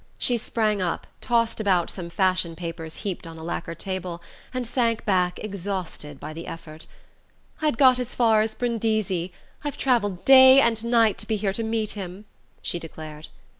She sprang up, tossed about some fashion papers heaped on a lacquer table, and sank back exhausted by the effort. "I'd got as far as Brindisi. I've travelled day and night to be here to meet him," she declared.